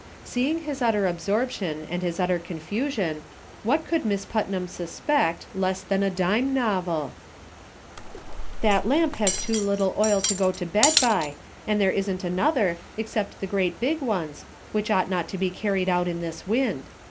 Seeing his utter absorption and his utter confusion, what could Miss Putnam suspect, less than a dime novel !" That lamp has too little oil to go to bed by, and there isn't another, except the great big ones, which ought not to be carried out in this wind.